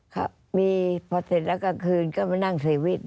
เขามีพอเสร็จแล้วกลางคืนก็มานั่งเซวิท